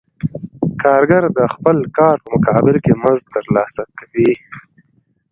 کارګر د خپل کار په مقابل کې مزد ترلاسه کوي